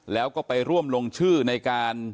แล้วก็ไปร่วมลงชื่อในการ